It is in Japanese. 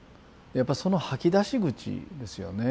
やっぱその吐き出し口ですよね。